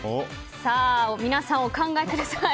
皆さん、お考えください。